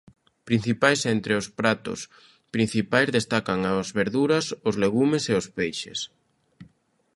Principais Entre os pratos principais destacan as verduras, os legumes e os peixes.